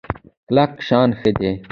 کلک شان ښه دی.